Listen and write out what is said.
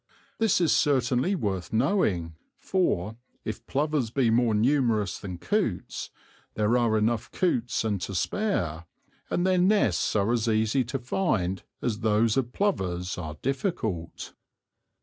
This is certainly worth knowing, for, if plovers be more numerous than coots, there are enough coots and to spare, and their nests are as easy to find as those of plovers are difficult.